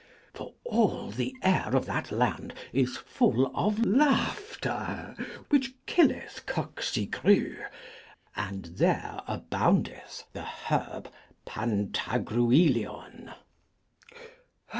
For all the air of that land is full of laughter, which killeth Coqcigrues; and there aboundeth the herb Pantagruelion.